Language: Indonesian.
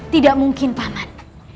tidak mungkin paman